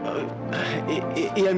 kamu masih ingat kan